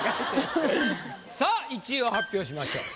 さあ１位を発表しましょう。